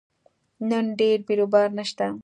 نن ډېر بیروبار نشته